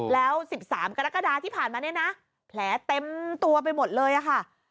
แล้ว๑๓กรกฎาที่ผ่านมาเนี่ยนะแผลเต็มตัวไปหมดเลยค่ะ